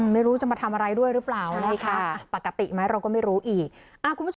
ไม่รู้จะมาทำอะไรด้วยหรือเปล่านะคะปกติไหมเราก็ไม่รู้อีกคุณผู้ชม